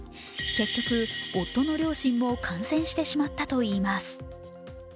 結局、夫の両親も感染してしまったといいます。